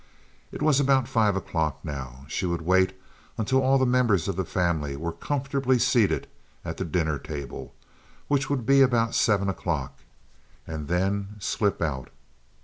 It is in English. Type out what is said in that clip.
It was about five o'clock now. She would wait until all the members of the family were comfortably seated at the dinner table, which would be about seven o'clock, and then slip out.